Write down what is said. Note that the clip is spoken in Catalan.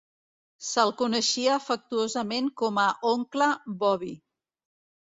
Se'l coneixia afectuosament com a oncle Bobby.